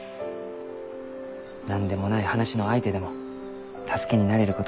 何でもない話の相手でも助けになれることがあるき。